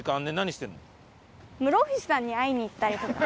室伏さんに会いに行ったりとか。